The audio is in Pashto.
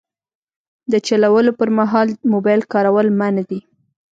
د چلولو پر مهال موبایل کارول منع دي.